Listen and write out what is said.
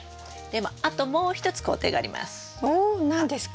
でもあともう一つ工程があります。